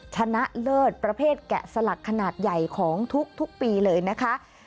ชนะเลิศประเภทแกะสลักขนาดใหญ่ของทุกปีเลยนะคะ